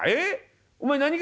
お前何か？